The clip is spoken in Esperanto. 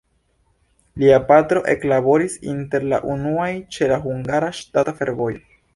Lia patro eklaboris inter la unuaj ĉe la Hungara Ŝtata Fervojo.